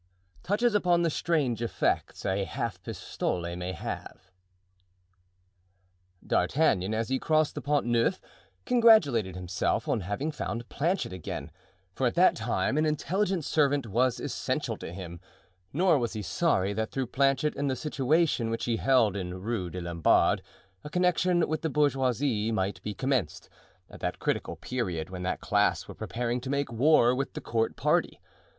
Touches upon the Strange Effects a Half pistole may have. D'Artagnan, as he crossed the Pont Neuf, congratulated himself on having found Planchet again, for at that time an intelligent servant was essential to him; nor was he sorry that through Planchet and the situation which he held in Rue des Lombards, a connection with the bourgeoisie might be commenced, at that critical period when that class were preparing to make war with the court party.